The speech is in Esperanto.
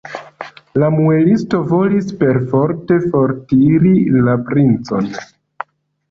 La muelisto volis perforte fortiri la princon.